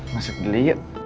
masuk dulu yuk